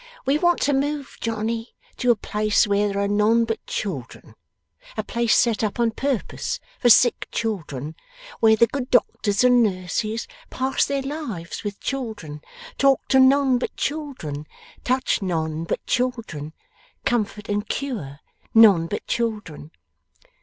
We want to move Johnny to a place where there are none but children; a place set up on purpose for sick children; where the good doctors and nurses pass their lives with children, talk to none but children, touch none but children, comfort and cure none but children.